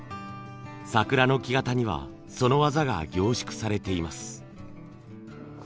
桜の木型にはその技が凝縮されています。